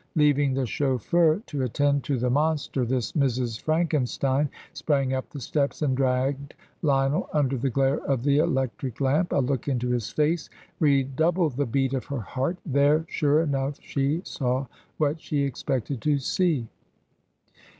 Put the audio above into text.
Leaving the chauffeur to attend to the monster, this Mrs. Frankenstein sprang up the steps and dragged Lionel under the glare of the electric lamp. A look into his face redoubled the beat of her heart. There, sure enough, she saw what she expected to see.